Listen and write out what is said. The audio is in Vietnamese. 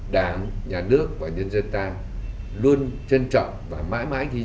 đảng nhà nước và nhân dân ta luôn trân trọng và mãi mãi ghi